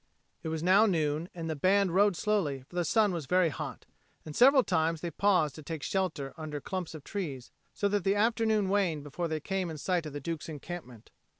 It was now noon, and the band rode slowly, for the sun was very hot, and several times they paused to take shelter under clumps of trees, so that the afternoon waned before they came in sight of the Duke's encampment.